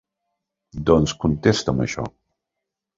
Doncs contesta'm això.